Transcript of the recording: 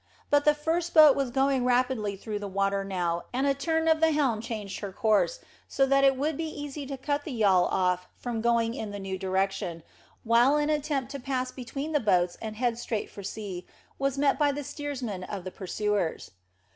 But the first boat was going rapidly through the water now, and a turn of the helm changed her course, so that it would be easy to cut the yawl off from going in the new direction, while an attempt to pass between the boats and head straight for sea was also met by the steersmen of the pursuers.